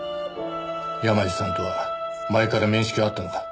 山路さんとは前から面識はあったのか？